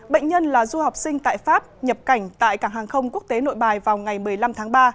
bệnh nhân là du học sinh tại pháp nhập cảnh tại cảng hàng không quốc tế nội bài vào ngày một mươi năm tháng ba